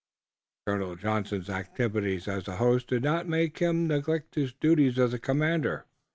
Colonel Johnson's activities as a host did not make him neglect his duties as a commander.